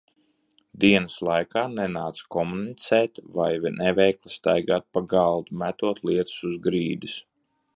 Dienas laikā nenāca komunicēt vai neveikli staigāt pa galdu, metot lietas uz grīdas.